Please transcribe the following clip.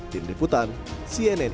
tim diputan cnnn